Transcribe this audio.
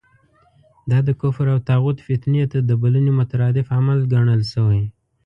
دا د کفر او طاغوت فتنې ته د بلنې مترادف عمل ګڼل شوی.